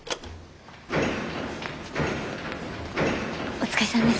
お疲れさんです。